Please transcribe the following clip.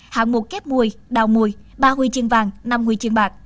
hạng mục kép mùi đào mùi ba huy chương vàng năm huy chương bạc